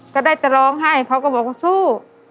ก็ได้แต่ร้องไห้เขาก็บอกว่าสู้